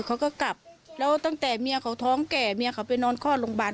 เขาก็กลับแล้วตั้งแต่เมียเขาท้องแก่เมียเขาไปนอนคลอดโรงพยาบาล